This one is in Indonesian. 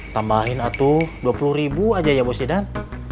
tambahin atuh dua puluh ribu aja ya bos tidan